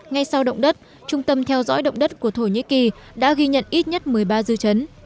ngay sau đồng đất trung tâm theo dõi đồng đất của thổ nhĩ kỳ đã ghi nhận ít nhất một mươi ba dư trấn